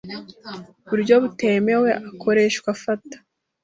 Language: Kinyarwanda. buryo butemewe akoreshwa fate